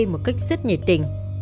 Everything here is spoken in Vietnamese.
một cách rất nhiệt tình